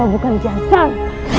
kalau bukan kian santam